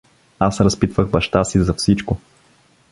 Аз разпитвах баща си за всичко.